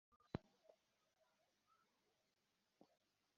Bimwe mu bidukikije ntibyitabwaho